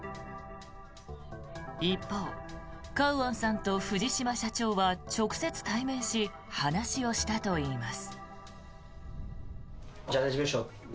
一方、カウアンさんと藤島社長は直接対面し話をしたといいます。